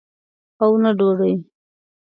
او نه ډوډۍ.